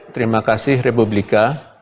baik terima kasih republika